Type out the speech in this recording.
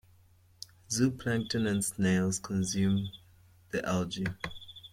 Zooplankton and snails consume the algae.